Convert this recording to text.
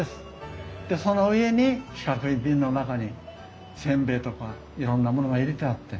でその上に四角い瓶の中に煎餅とかいろんなものが入れてあって。